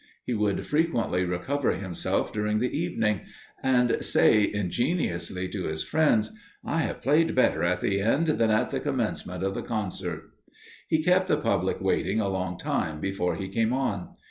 He would frequently recover himself during the evening, and say ingeniously to his friends, "I have played better at the end than at the commencement of the concert." He kept the public waiting a long time before he came on.